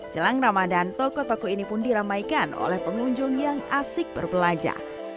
jelang ramadan toko toko ini pun diramaikan oleh pengunjung yang asik berbelanja